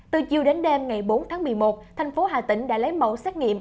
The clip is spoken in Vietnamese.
từ chiều đến đêm ngày bốn tháng một mươi một thành phố hà tĩnh đã lấy mẫu xét nghiệm